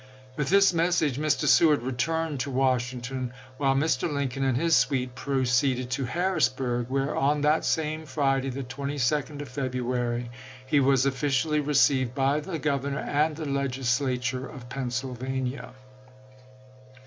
With this Nov.3,ri867. message Mr. Seward returned to Washington, while Mr. Lincoln and his suite proceeded to Harrisburg, where on that same Friday, the 22d of February, im. he was officially received by the Governor and the Legislature of Pennsylvania.